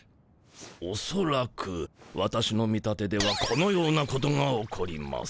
おそらく私の見立てではこのようなことが起こります。